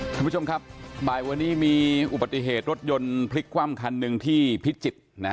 คุณผู้ชมครับบ่ายวันนี้มีอุบัติเหตุรถยนต์พลิกคว่ำคันหนึ่งที่พิจิตร